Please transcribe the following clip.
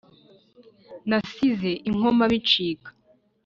Nasize i Nkoma bicika